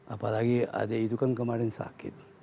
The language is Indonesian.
apalagi adik itu kan kemarin sakit